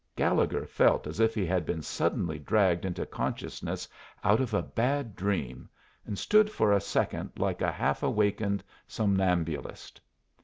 Gallagher felt as if he had been suddenly dragged into consciousness out of a bad dream, and stood for a second like a half awakened somnambulist.